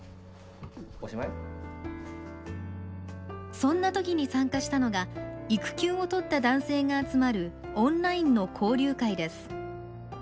そんなときに参加したのが育休を取った男性が集まるオンラインの交流会です。